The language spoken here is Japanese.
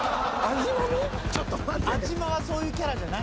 安嶋はそういうキャラじゃない。